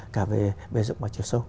cả về bề dụng và chiều sâu